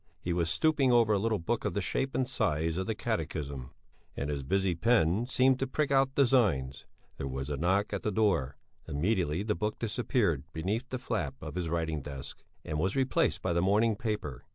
He was stooping over a little book of the shape and size of the Catechism, and his busy pen seemed to prick out designs. There was a knock at the door; immediately the book disappeared beneath the flap of his writing desk, and was replaced by the morning paper.